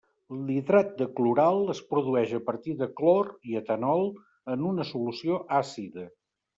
L'hidrat de cloral es produeix a partir de clor i etanol en una solució àcida.